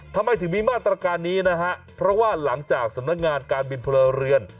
ทำไมถึงมีมาตรการนี้นะฮะเพราะว่าหลังจากสำนักงานการบินพลเรือน